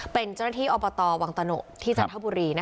เป็นเจ้าหน้าที่อบตวังตะหนกที่จันทบุรี